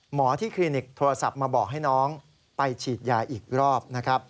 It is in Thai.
หมอที่คลินิกโทรศัพท์มาบอกให้น้องไปฉีดยาอีกรอบนะครับ